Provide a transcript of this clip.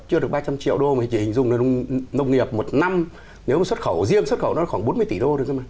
chưa được ba trăm linh triệu đô mà chỉ hình dung là nông nghiệp một năm nếu mà xuất khẩu riêng xuất khẩu nó khoảng bốn mươi tỷ đô được thôi mà